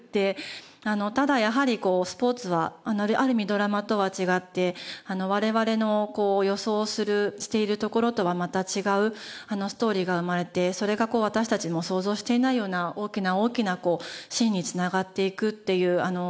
ただやはりスポーツはある意味ドラマとは違って我々の予想するしているところとはまた違うストーリーが生まれてそれが私たちも想像していないような大きな大きなシーンに繋がっていくっていう。